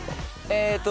えっと